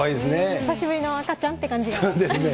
久しぶりの赤ちゃんって感じそうですね。